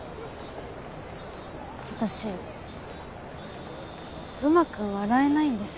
私うまく笑えないんです。